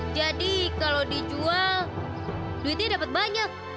jadi kalau dijual duitnya dapat banyak